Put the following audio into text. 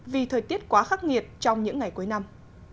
vì thời tiết quá khắc nghiệt trong những ngày cuối năm